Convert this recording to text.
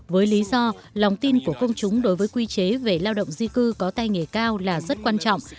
với lý do lòng tin của công chúng đối với quy chế về lao động di cư có tay nghề cao là rất quan trọng